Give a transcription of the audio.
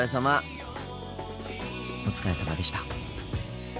お疲れさまでした。